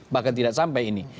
bahkan tidak sampai ini